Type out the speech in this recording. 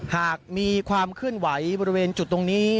หากมีความเคลื่อนไหวบริเวณจุดตรงนี้